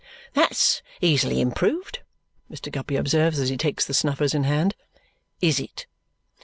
"That's easily improved," Mr. Guppy observes as he takes the snuffers in hand. "IS it?"